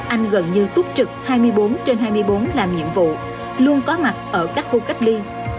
anh gần như túc trực hai mươi bốn trên hai mươi bốn làm nhiệm vụ luôn có mặt ở các khu cách ly